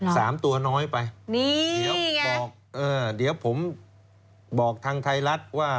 สามตัวน้อยไปนี่เดี๋ยวบอกเออเดี๋ยวผมบอกทางไทยรัฐว่า